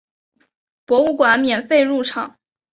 博物馆免费入场。